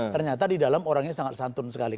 ternyata di dalam orangnya sangat santun sekali